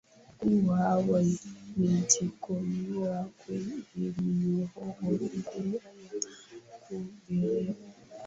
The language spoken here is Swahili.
kuwa wamejikomboa kwenye minyororo ile ya ya ubeberu